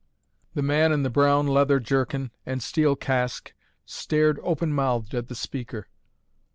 The man in the brown leather jerkin and steel casque stared open mouthed at the speaker.